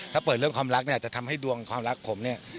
ถ้าเปิดเรื่องความรักเนี่ยจะทำให้ดวงความรักผมเนี่ย